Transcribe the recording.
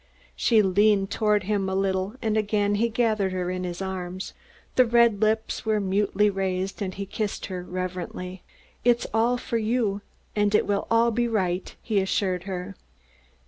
She leaned toward him a little and again he gathered her in his arms. The red lips were mutely raised, and he kissed her reverently. "It's all for you and it will all be right," he assured her.